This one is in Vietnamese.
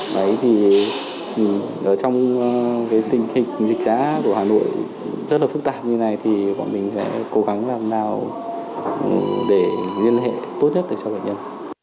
đấy thì ở trong tình hình dịch giá của hà nội rất là phức tạp như thế này thì bọn mình sẽ cố gắng làm nào để liên hệ tốt nhất cho bệnh nhân